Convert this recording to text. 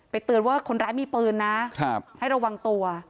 เตือนว่าคนร้ายมีปืนนะให้ระวังตัว